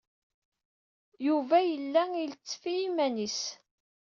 Yuba yella ilettef i yiman-is.